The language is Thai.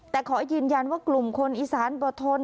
แต่ขอยืนยันว่ากลุ่มคนอีสานบททน